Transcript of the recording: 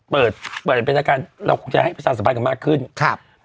เปิดเป็นเป็นอาการเราก็จะให้ประชาติสบายกันมากขึ้นครับ